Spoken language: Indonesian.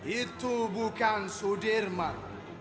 itu bukan sudirman